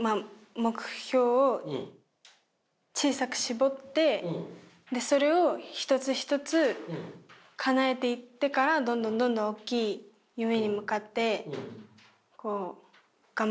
目標を小さく絞ってそれを一つ一つかなえていってからどんどんどんどんおっきい夢に向かって頑張っていきたいなって。